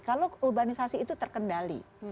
kalau urbanisasi itu terkendali